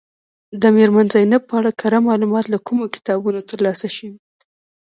د میرمن زینب په اړه کره معلومات له کومو کتابونو ترلاسه شوي.